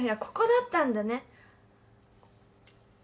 ここだったんだね。